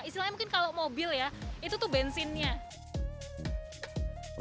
istilahnya mungkin kalau mobil ya itu tuh bensinnya